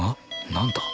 何だ？